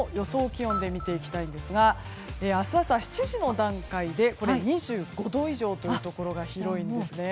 気温で見ていきたいんですが明日朝７時の段階で２５度以上のところが広いんですね。